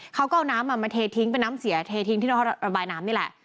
เขาก็เอาน้ำมาเททิ้งเป็นน้ำเสียเททิ้งที่ท่อระบายน้ำนี่แหละ